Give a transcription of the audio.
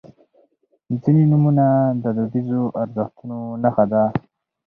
• ځینې نومونه د دودیزو ارزښتونو نښه ده.